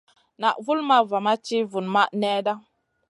Naʼ vulmaʼ va ma ti vunmaʼ nèhda.